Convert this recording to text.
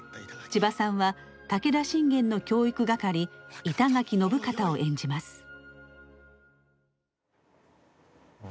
千葉さんは武田信玄の教育係板垣信方を演じます。